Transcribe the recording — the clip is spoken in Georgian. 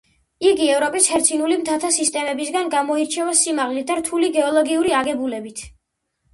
იგი ევროპის ჰერცინული მთათა სისტემებისაგან გამოირჩევა სიმაღლით და რთული გეოლოგიური აგებულებით.